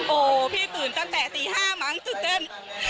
โอ้โหพี่ตื่นตั้งแต่ตี๕มั้งตื่นเต้น